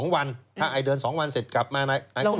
๒วันถ้าเดิน๒วันเสร็จกลับมา